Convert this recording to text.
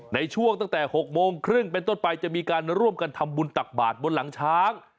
ในช่วงตั้งแต่๖โมงครึ่งเป็นต้นไปจะมีการร่วมกันทำบุญตักบาทบนหลังช้าง